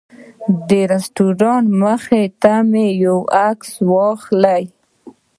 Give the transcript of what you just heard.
د رسټورانټ مخې ته مې یو عکس واخلي.